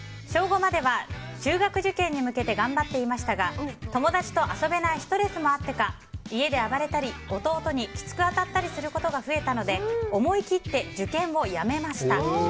小５までは中学受験に向けて頑張っていましたが友達と遊べないストレスもあってか家で暴れたり弟にきつく当たったりすることが増えたので思い切って受験をやめました。